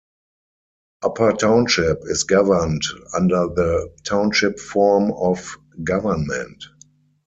Upper Township is governed under the Township form of government.